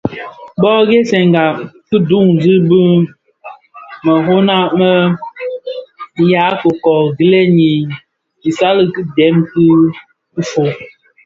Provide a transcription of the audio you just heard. Bōō ghèsènga ki dhōňzi bi meroňa më bë ya iköö gilèn i isal ki dèm dhi fikoň.